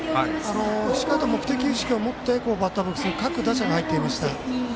しっかりと目的意識を持ってバッターボックスに各打者が入っていました。